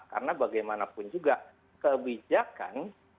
karena bagaimanapun juga kebijakan